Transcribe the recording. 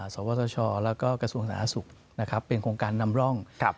สวทชแล้วก็กระทรวงสาธารณสุขนะครับเป็นโครงการนำร่อง